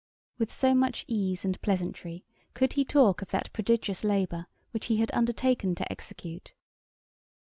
With so much ease and pleasantry could he talk of that prodigious labour which he had undertaken to execute.